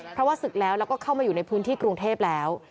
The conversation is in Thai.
เพราะว่าศึกแล้วแล้วก็เข้ามาอยู่ในพื้นที่กรุงเทพแล้ว